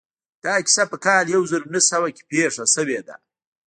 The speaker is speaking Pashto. دا کيسه په کال يو زر و نهه سوه کې پېښه شوې ده.